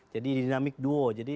jadi dinamik duo